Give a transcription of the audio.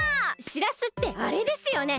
しらすってあれですよね！